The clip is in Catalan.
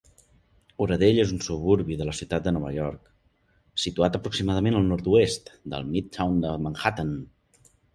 Oradell és un suburbi de la ciutat de Nova York, situat aproximadament al nord-oest del Midtown de Manhattan.